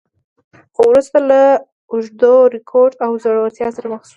خو وروسته له اوږده رکود او ځوړتیا سره مخ شو.